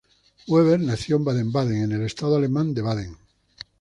Weber nació en Baden-Baden, en el estado alemán de Baden.